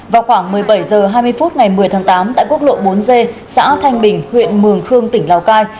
vào khoảng một mươi bảy h hai mươi phút ngày một mươi tháng tám tại quốc lộ bốn g xã thanh bình huyện mường khương tỉnh lào cai